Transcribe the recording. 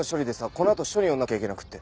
このあと署に寄らなきゃいけなくて。